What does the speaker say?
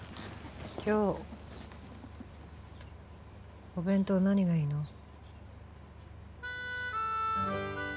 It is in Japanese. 今日お弁当何がいいの？